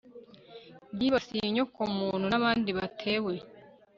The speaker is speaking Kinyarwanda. byibasiye inyokomuntu n abandi batewe